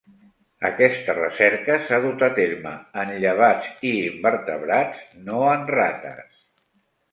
Aquesta recerca s'ha dut a terme en llevats i invertebrats, no en rates.